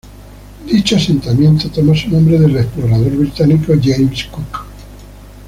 Dicho asentamiento toma su nombre del explorador británico James Cook.